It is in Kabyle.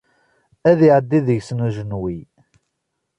Ad iɛeddi deg-sen ujenwi.